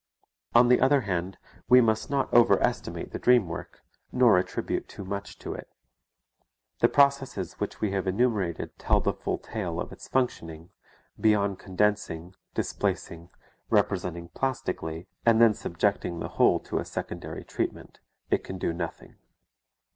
On the other hand, we must not over estimate the dream work, nor attribute too much to it. The processes which we have enumerated tell the full tale of its functioning; beyond condensing, displacing, representing plastically, and then subjecting the whole to a secondary treatment, it can do nothing.